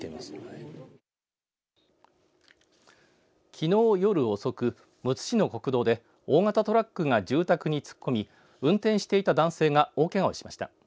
きのう夜遅くむつ市の国道で大型トラックが住宅に突っ込み運転していた男性が大けがをしました。